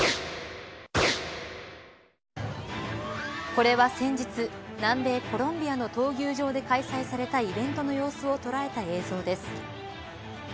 これは先日南米コロンビアの闘技場で開催されたイベントの様子を捉えた映像です。